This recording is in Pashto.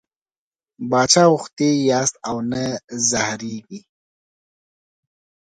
باچا غوښتي یاست او نه زهرېږئ.